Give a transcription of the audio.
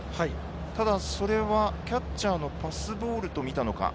ただ、それはキャッチャーのパスボールと見たのか。